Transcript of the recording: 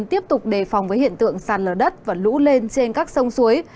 tiếp tục đề phòng với hiện tượng sàn lở đất và lũ lên trên các sông suối